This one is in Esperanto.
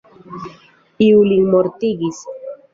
Iu lin mortigis!